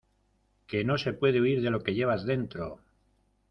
que no se puede huir de lo que llevas dentro...